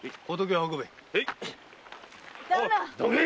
どけ！